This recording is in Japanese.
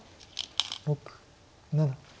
６７。